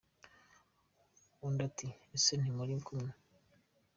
Undi ati Ese ntimuri kumwe ?